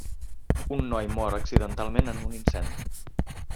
Un noi mor accidentalment en un incendi.